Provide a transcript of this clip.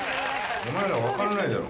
お前ら、分からないだろ？